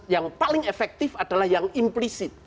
yang paling efektif adalah yang implisit